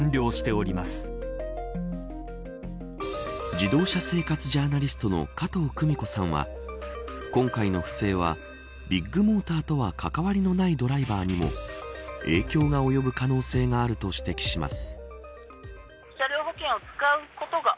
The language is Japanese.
自動車生活ジャーナリストの加藤久美子さんは今回の不正はビッグモーターとは関わりのないドライバーにも影響が及ぶ可能性があると指摘します。